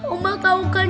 oma tau kan